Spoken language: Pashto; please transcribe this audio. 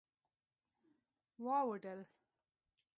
واوډل